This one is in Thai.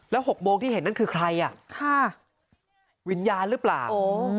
๖โมงที่เห็นนั่นคือใครอ่ะค่ะวิญญาณหรือเปล่า